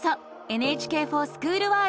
「ＮＨＫｆｏｒＳｃｈｏｏｌワールド」へ！